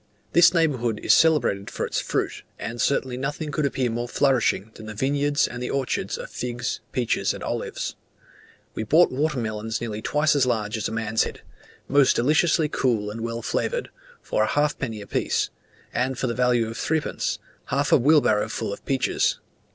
This neighbourhood is celebrated for its fruit; and certainly nothing could appear more flourishing than the vineyards and the orchards of figs, peaches, and olives. We bought water melons nearly twice as large as a man's head, most deliciously cool and well flavoured, for a halfpenny apiece; and for the value of threepence, half a wheelbarrowful of peaches.